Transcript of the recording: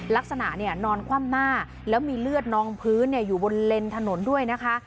ลักษณะเนี่ยนอนคว่ำหน้าแล้วมีเลือดนองพื้นอยู่บนเลนถนนด้วยนะคะ